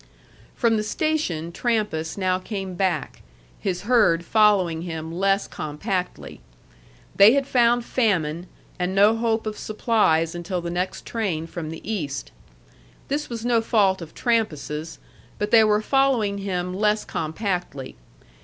From the station Trampas now came back, his herd following him less compactly. They had found famine, and no hope of supplies until the next train from the East. This was no fault of Trampas's; but they were following him less compactly.